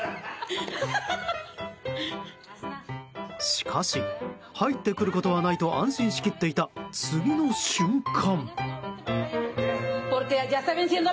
しかし入ってくることはないと安心しきっていた、次の瞬間。